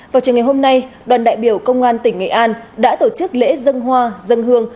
vào trường ngày hôm nay đoàn đại biểu công an tỉnh nghệ an đã tổ chức lễ dân hoa dân hương